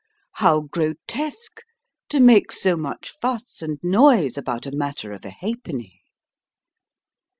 How grotesque to make so much fuss and noise about a matter of a ha'penny!